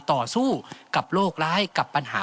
ต่อสู้กับโรคร้ายกับปัญหา